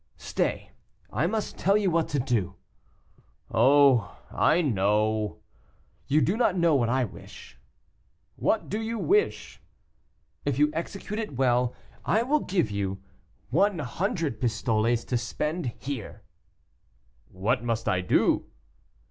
"Stay; I must tell you what to do." "Oh! I know." "You do not know what I wish." "What you wish?" "If you execute it well, I will give you one hundred pistoles to spend here." "What must I do?"